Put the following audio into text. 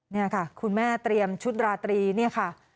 นี่ค่ะคุณแม่เตรียมชุดราตรีเนี่ยค่ะ